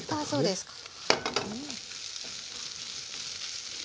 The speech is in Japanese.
そうですか。